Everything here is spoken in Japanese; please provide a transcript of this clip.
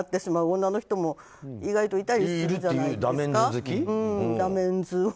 女の人も意外といるじゃないですか。